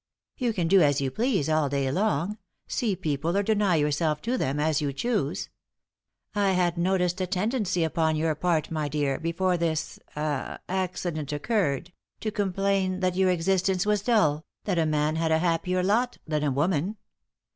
You can do as you please all day long see people or deny yourself to them, as you choose. I had noticed a tendency upon your part, my dear, before this ah accident occurred, to complain that your existence was dull, that a man had a happier lot than a woman.